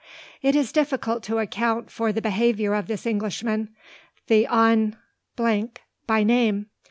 It is difficult to account for the behaviour of this Englishman, the Hon. by name.